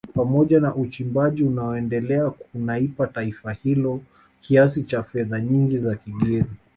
Pamoja na uchimbaji unaoendelea kunaipa taifa hilo kiasi cha fedha nyingi za kigeni